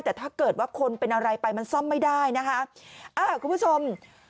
แต่ถ้าเกิดว่าคนเป็นอะไรไปมันซ่อมไม่ได้นะคะอ่าคุณผู้ชม